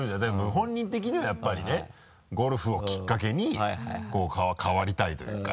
本人的にはやっぱりねゴルフをきっかけに変わりたいというか。